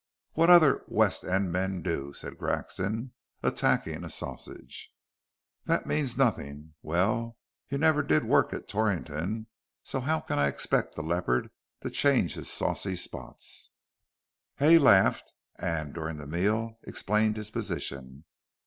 "What other West End men do," said Grexon, attacking a sausage. "That means nothing. Well, you never did work at Torrington, so how can I expect the leopard to change his saucy spots." Hay laughed, and, during the meal, explained his position.